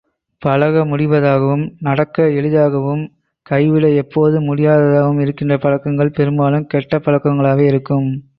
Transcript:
பழக முடிவதாகவும், நடக்க எளிதாகவும், கைவிட எப்போதும் முடியாததாகவும் இருக்கின்ற பழக்கங்கள் பெரும்பாலும் கெட்ட பழக்கங்களாகவே இருக்கும்.